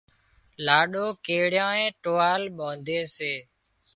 لاڏو ڪيڙئي ٽووال ٻانڌي سي